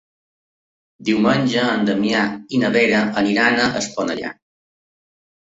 Diumenge na Damià i na Vera aniran a Esponellà.